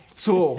そう。